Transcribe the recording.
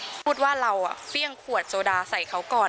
ที่พี่บอกว่าเราฟี่างขวดโซดาใส่เขาก่อน